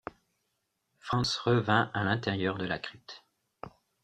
Franz revint à l’intérieur de la crypte.